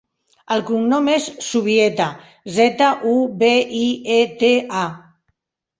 El cognom és Zubieta: zeta, u, be, i, e, te, a.